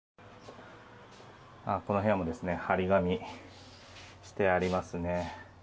この部屋もですね貼り紙してありますね。